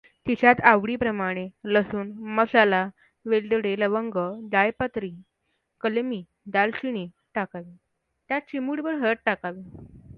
तिच्यात आवडीप्रमाणे लसूण, मसाला, वेलदोडे लवंग, जायपत्री, कलमी दालचिनी, टाकावे त्यात चिमूटभर हळद टाकावी.